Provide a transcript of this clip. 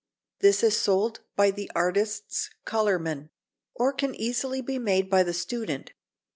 This is sold by the artists' colourmen, or can be easily made by the student.